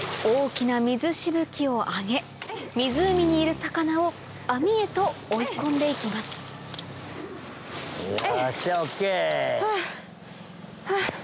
大きな水しぶきを上げ湖にいる魚を網へと追い込んで行きますエイっ。